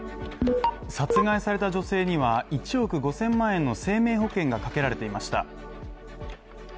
殺害された女性には１億５０００万円の生命保険がかけられていました。